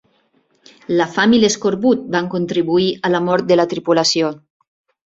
La fam i l'escorbut van contribuir a la mort de la tripulació.